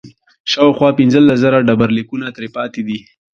شاوخوا پنځلس زره ډبرلیکونه ترې پاتې دي